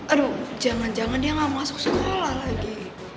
aduh jangan jangan dia nggak masuk sekolah lagi